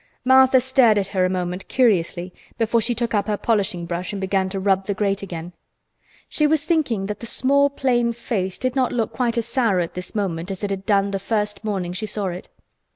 Martha stared at her a moment curiously before she took up her polishing brush and began to rub the grate again. She was thinking that the small plain face did not look quite as sour at this moment as it had done the first morning she saw it.